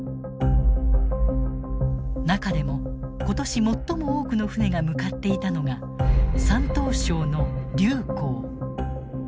中でも今年最も多くの船が向かっていたのが山東省の竜口。